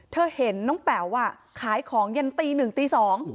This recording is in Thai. เธอเห็นน้องแป๋วอ่ะขายของยันตี๑ตี๒